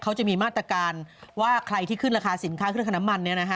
เขาจะมีมาตรการว่าใครที่ขึ้นราคาสินค้าขึ้นขน้ำมัน